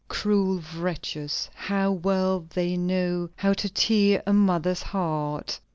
Cruel wretches! how well they know how to tear a mother's heart!"